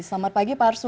selamat pagi pak arsul